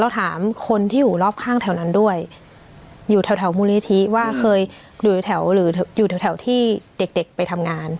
เราถามคนที่อยู่รอบข้างแถวนั้นด้วยอยู่แถวมูลิธิว่าเคยอยู่แถวที่เด็กไปทำงาน